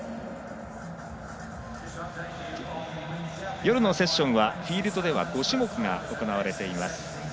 夜のセッションはフィールドでは５種目が行われています。